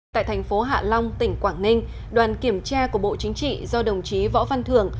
tại thành phố hạ long tỉnh quảng ninh đoàn kiểm tra của bộ chính trị do đồng chí võ văn thường